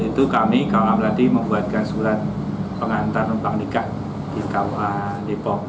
itu kami kauam lati membuatkan surat pengantar rumpang nikah di kauam depok